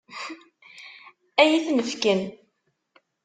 Ad iyi-ten-fken?